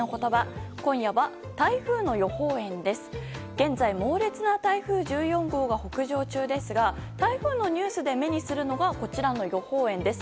現在、猛烈な台風１４号が北上中ですが台風のニュースで目にするのがこちらの予報円です。